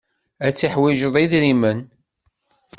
Ad teḥwijeḍ idrimen.